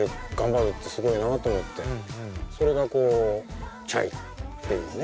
それがこうＣＨＡＩっていうね。